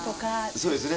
そうですね。